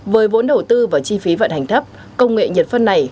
với vốn đầu tư và chi phí vận hành thấp công nghệ nhiệt phân này